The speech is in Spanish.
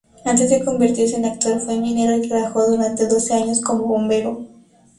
Antes de convertirse en actor fue minero y trabajó durante doce años como bombero.